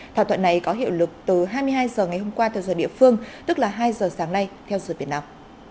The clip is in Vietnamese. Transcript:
thỏa thuận này có hiệu lực từ hai mươi hai h ngày hôm qua theo giờ địa phương tức là hai h sáng nay theo sự biển nào